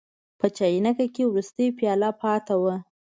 په چاینکه کې وروستۍ پیاله پاتې وه.